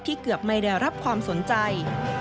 เกือบไม่ได้รับความสนใจ